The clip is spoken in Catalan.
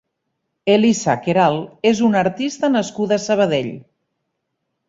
Elisa Queralt és una artista nascuda a Sabadell.